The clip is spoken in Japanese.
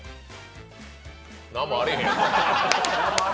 何もあらへん。